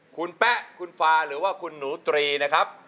คุณแป๊ะคุณฟาหรือว่าคุณหนูตรีนะครับ